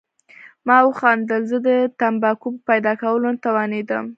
ما وخندل، زه د تمباکو په پیدا کولو ونه توانېدم.